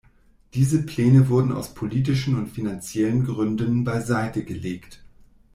Diese Pläne wurden aus politischen und finanziellen Gründen beiseitegelegt.